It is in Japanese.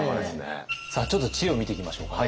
ちょっと知恵を見ていきましょうかね。